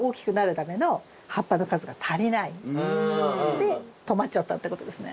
で止まっちゃったってことですね。